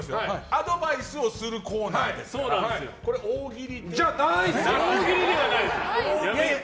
アドバイスをするコーナーですから大喜利ではないです。